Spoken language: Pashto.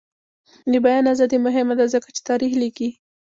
د بیان ازادي مهمه ده ځکه چې تاریخ لیکي.